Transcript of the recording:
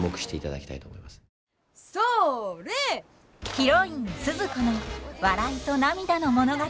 ヒロインスズ子の笑いと涙の物語。